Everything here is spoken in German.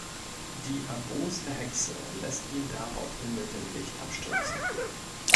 Die erboste Hexe lässt ihn daraufhin mit dem Licht abstürzen.